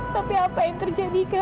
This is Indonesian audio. tapi apa yang terjadi